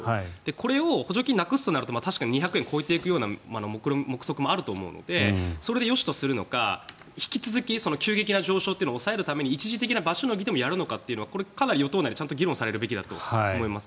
これを補助金をなくすとなると確かに２００円を超えていくような目測もあると思うのでそれでよしとするのか引き続き急激な上昇を抑えるために一時的な場しのぎでもやるというのは与党内でもきちんと議論されていくと思います。